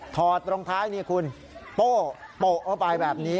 อดรองท้ายนี่คุณโป้โปะเข้าไปแบบนี้